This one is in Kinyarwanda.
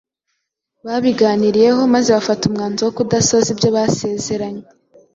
Babiganiyeho maze bafata umwanzuro wo kudasohoza ibyo basezeranye.